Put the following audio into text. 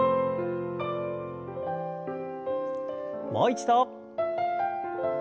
もう一度。